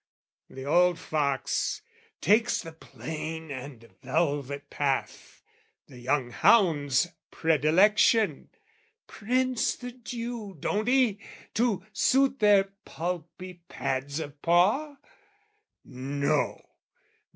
The old fox takes the plain and velvet path, The young hound's predilection, prints the dew, Don't he, to suit their pulpy pads of paw? No!